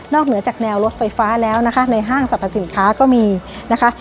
เหนือจากแนวรถไฟฟ้าแล้วนะคะในห้างสรรพสินค้าก็มีนะคะ